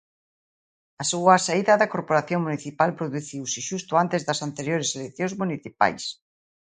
A súa saída da corporación municipal produciuse xusto antes das anteriores eleccións municipais.